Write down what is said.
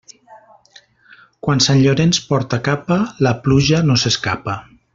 Quan Sant Llorenç porta capa, la pluja no s'escapa.